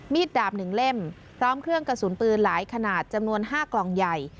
มีดดาบหนึ่งเล่มร้องเครื่องกระสูรปืนหลายขนาดจำนวนห้ากล่องใหญ่